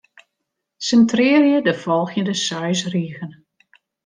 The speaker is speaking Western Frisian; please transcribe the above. Sintrearje de folgjende seis rigen.